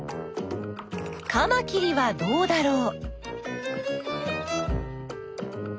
カマキリはどうだろう？